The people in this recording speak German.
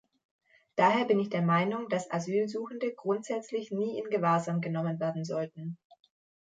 Daher bin ich der Meinung, dass Asylsuchende grundsätzlich nie in Gewahrsam genommen werden sollten.